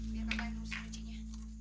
biar kakak yang urusin ujinya